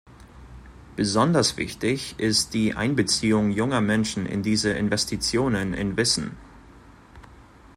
Besonders wichtig ist die Einbeziehung junger Menschen in diese Investitionen in Wissen.